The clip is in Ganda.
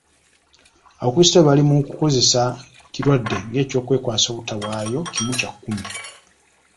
Abakulisitayo bali mu kukozesa kirwadde ng'ekyokwekwaasa obutawa kimu kya kkumi.